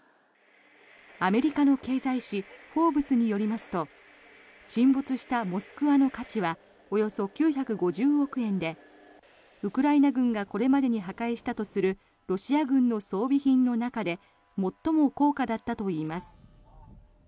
アメリカの経済誌「フォーブス」によりますと沈没した「モスクワ」の価値はおよそ９５０億円でウクライナ軍がこれまでに破壊したとするロシア軍の装備品の中で最も高価だったといいます。